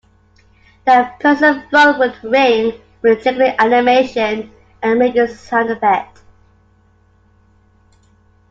That person's phone would ring with a jiggling animation and ringing sound effect.